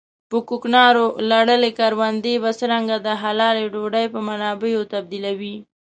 په کوکنارو لړلې کروندې به څرنګه د حلالې ډوډۍ په منابعو تبديلوو.